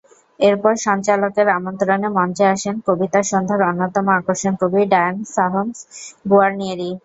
এরপর সঞ্চালকের আমন্ত্রণে মঞ্চে আসেন কবিতাসন্ধ্যার অন্যতম আকর্ষণ কবি ডায়ান সাহমস গুয়ারনিয়েরি।